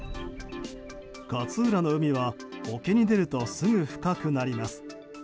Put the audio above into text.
勝浦の海は沖に出るとすぐ深くなります。